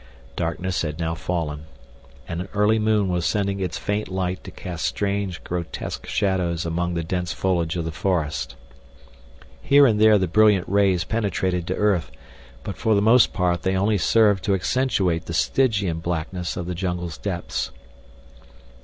Darkness had now fallen, and an early moon was sending its faint light to cast strange, grotesque shadows among the dense foliage of the forest. Here and there the brilliant rays penetrated to earth, but for the most part they only served to accentuate the Stygian blackness of the jungle's depths.